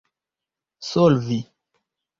solvi